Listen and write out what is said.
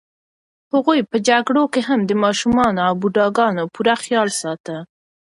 هغوی په جګړو کې هم د ماشومانو او بوډاګانو پوره خیال ساته.